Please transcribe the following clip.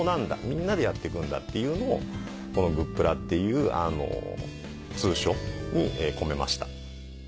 みんなでやって行くんだっていうのをこの「グップラ」っていう通称に込めました。